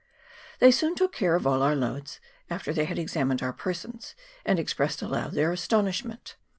They soon took care of all our loads, after they had examined our persons and expressed aloud their astonishment.